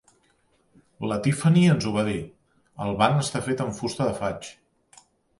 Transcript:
La Tiffany ens ho va dir, el banc està fet amb fusta de faig.